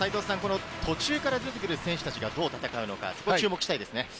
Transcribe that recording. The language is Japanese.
途中から出てくる選手たちがどう戦うのか注目したいですね。